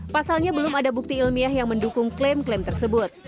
pasalnya belum ada bukti ilmiah yang mendukung klaim klaim tersebut